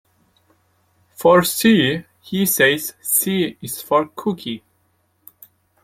For "C", he says "C is for Cookie".